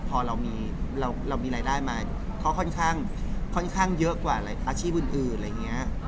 พอเรามีรายได้มาเขาค่อนข้างเยอะกว่าอาชีพอื่นอื่น